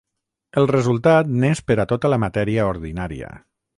El resultat n'és per a tota la matèria ordinària.